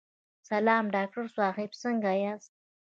سلام ډاکټر صاحب، څنګه یاست؟